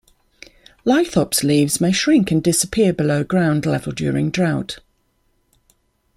"Lithops" leaves may shrink and disappear below ground level during drought.